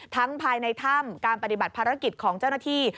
ภายในถ้ำการปฏิบัติภารกิจของเจ้าหน้าที่